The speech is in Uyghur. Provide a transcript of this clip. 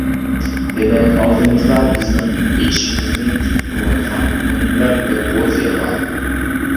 دېمەك، ئالدىمىزدا بىزنىڭ ئېچىشىمىزنى كۈتۈپ تۇرۇۋاتقان مۇنبەت بىر بوز يەر بار.